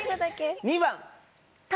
２番！